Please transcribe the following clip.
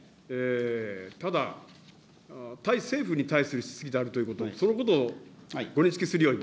ただ、対政府に対する質疑であることに、そのことをご認識するように。